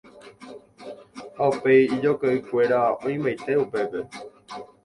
ha upéi ijoyke'ykuéra oĩmbaite upépe